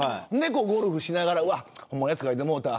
ゴルフをしながらほんまのやつ書いてもうた。